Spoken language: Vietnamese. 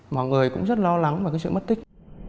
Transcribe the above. mọi người cũng rất lo lắng về cái sự mất tích